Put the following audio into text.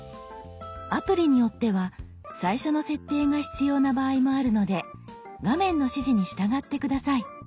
アプリによっては最初の設定が必要な場合もあるので画面の指示に従って下さい。